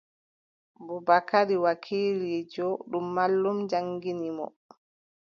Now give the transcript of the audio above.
Bubakari wakiiliijo, ɗum mallum jaŋngini mo.